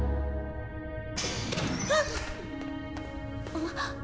あっ！